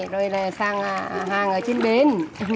rồi sang hàng ở trên bến